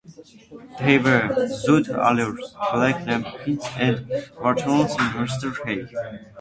These were "Zoot Allures", "Black Napkins" and "Watermelon in Easter Hay".